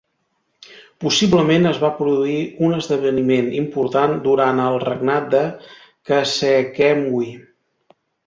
Possiblement es va produir un esdeveniment important durant el regnat de Khasekhemwy.